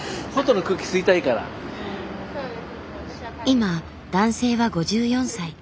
今男性は５４歳。